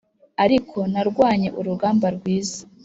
ariko narwanye urugamba rwiza!